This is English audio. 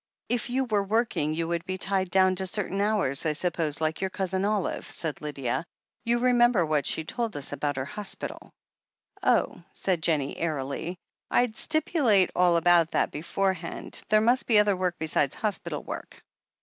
"If you were working, you would be tied down to certain hours, I suppose, like your Cousin Olive," said Lydia. "You remember what she told us about her hospital." "Oh," said Jennie airily, "Fd stipulate all about that beforehand. There must be other work besides hos pital work."